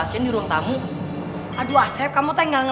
terima kasih makasih ya